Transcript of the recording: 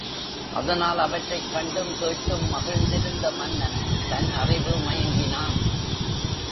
அதனால், அவற்றைக் கண்டும் கேட்டும் மகிழ்ந்திருந்த மன்னன் தன் அறிவு மயங்கினான்.